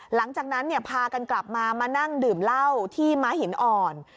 หลังจากนั้นพากันกลับมามานั่งดื่มเหล้าที่ม้าหินอ่อน